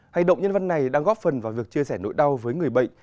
hành động nhân văn này đang góp phần vào việc chia sẻ nỗi đau với người bệnh